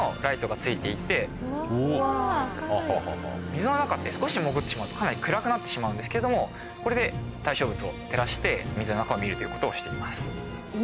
水の中って少し潜ってしまうとかなり暗くなってしまうんですけれどもこれで対象物を照らして水の中を見るということをしています。